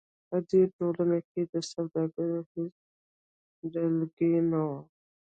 په دې ټولنو کې د سوداګرو هېڅ ډلګۍ نه وه.